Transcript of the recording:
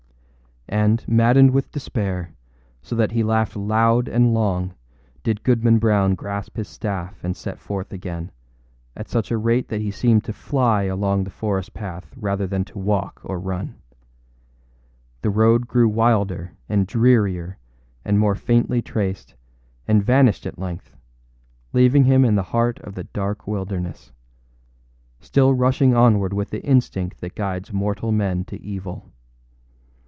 â And, maddened with despair, so that he laughed loud and long, did Goodman Brown grasp his staff and set forth again, at such a rate that he seemed to fly along the forest path rather than to walk or run. The road grew wilder and drearier and more faintly traced, and vanished at length, leaving him in the heart of the dark wilderness, still rushing onward with the instinct that guides mortal man to evil.